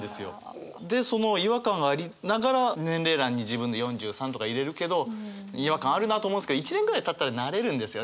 でその違和感ありながら年齢欄に自分の４３とか入れるけど違和感あるなと思うんですけど１年ぐらいたったら慣れるんですよね